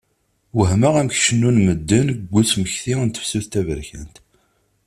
Wehmeɣ amek cennun medden deg usmekti n tefsut taberkant!